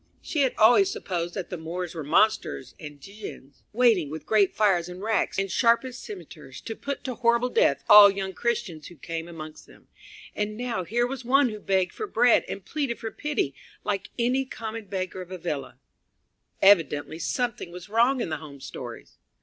She had always supposed that the Moors were monsters and djins, waiting with great fires and racks and sharpest cimeters to put to horrible death all young Christians who came amongst them, and now here was one who begged for bread and pleaded for pity like any common beggar of Avila. Evidently something was wrong in the home stories.